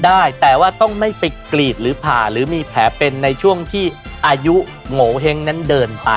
ได้แต่ว่าต้องไม่ไปกรีดหรือผ่าหรือมีแผลเป็นในช่วงที่อายุโงเห้งนั้นเดินไป